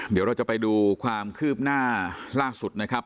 เดี๋ยวเราจะไปดูความคืบหน้าล่าสุดนะครับ